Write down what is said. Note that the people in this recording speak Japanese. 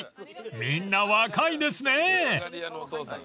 ［みんな若いですね］